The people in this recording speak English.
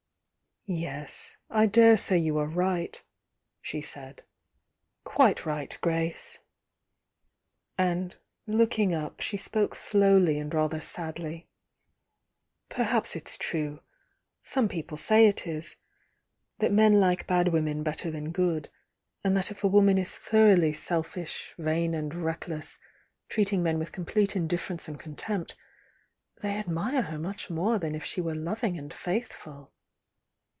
.,„.. "Yes— I daresay you are right, she said— quite right, Grace!" And looking up, she spoke slowly and rather sadly. "Perhaps it's true— some people say it is— that men like bad women better than good,— and thut if a woman is thoroughly selfisli, 88 THE YOUNG DIANA vam and reckless, treating men with complete in difference and contempt, they admire her much mojfe than if she were loving and faithful."